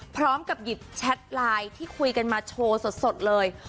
พร้อมกับหยิบแชทไลน์ที่คุยกันมาโชว์สดเลย